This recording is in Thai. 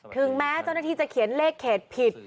ถึงแม้เจ้าหน้าที่จะเขียนเลขเขตผิด